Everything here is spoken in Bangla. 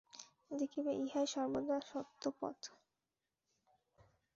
দেখিবে ইহাই সর্বদা সত্য পথ।